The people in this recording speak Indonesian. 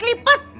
kelihat dia kiri